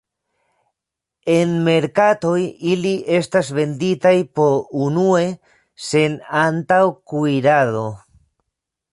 En merkatoj, ili estas venditaj po unue, sen antaŭ-kuirado.